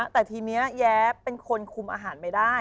แต่ทีนี้แย้เป็นคนคุมอาหารไม่ได้